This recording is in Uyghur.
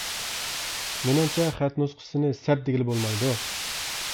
مېنىڭچە خەت نۇسخىسىنى سەت دېگىلى بولمايدۇ.